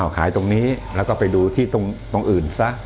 ขายตรงนี้แล้วก็ไปดูที่ตรงอื่นซะ